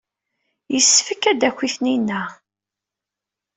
Yessefk ad d-taki Tanina.